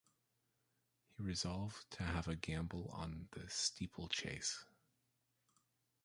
He resolved to have a gamble on the steeplechase.